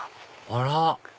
あら！